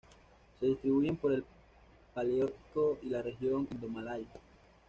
Se distribuyen por el paleártico y la región indomalaya.